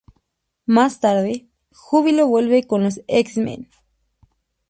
Más tarde, Júbilo vuelve con los X-Men.